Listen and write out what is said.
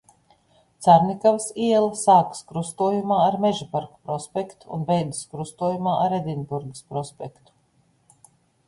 Carnikavas iela sākas krustojumā ar Mežaparka prospektu un beidzas krustojumā ar Edinburgas prospektu.